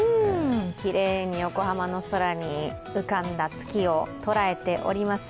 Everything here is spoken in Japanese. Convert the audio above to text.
きれいに横浜の空に浮かんだ月を捉えております。